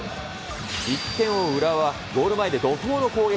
１点を追う浦和はゴール前で怒とうの攻撃。